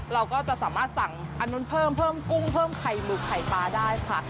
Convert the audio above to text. เราก็จะสามารถสั่งอันนู้นเพิ่มเพิ่มกุ้งเพิ่มไข่หมึกไข่ปลาได้ค่ะ